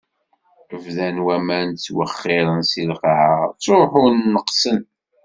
Bdan waman ttwexxiṛen si lqaɛa, ttṛuḥun, neqqsen.